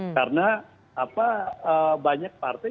karena banyak partai